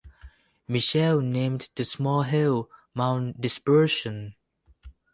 Mitchell named the small hill Mount Dispersion.